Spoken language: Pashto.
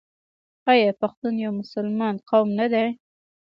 آیا پښتون یو مسلمان قوم نه دی؟